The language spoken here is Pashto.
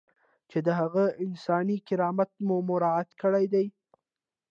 چې د هغه انساني کرامت مو مراعات کړی دی.